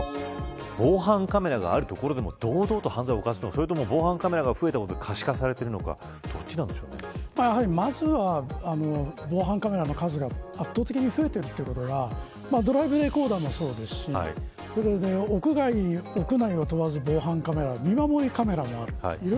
防犯カメラがある所でも堂々と犯罪を犯すのかそれとも、防犯カメラが増えたことで可視化されているのかまずは防犯カメラの数が圧倒的に増えているということがドライブレコーダーもそうですし屋外、屋内を問わず、防犯カメラ見守りカメラがある。